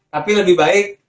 tapi lebih baik